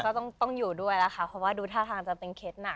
ก็ต้องอยู่ด้วยแล้วค่ะเพราะว่าดูท่าทางจะเป็นเคล็ดหนัก